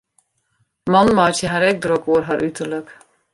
Mannen meitsje har ek drok oer har uterlik.